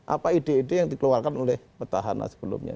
apa ide ide yang dikeluarkan oleh petahana sebelumnya